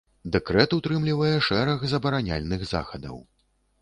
Дэкрэт утрымлівае шэраг забараняльных захадаў.